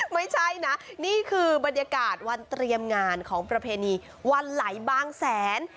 ไม่ใช่นะนี่คือบรรยากาศวันเตรียมงานของประเพณีวันไหลบางแสน